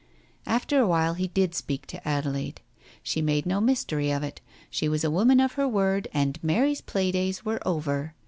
After a while he did speak to Adelaide. She made no mystery of it. She was a woman of her word, and Mary's play days were over.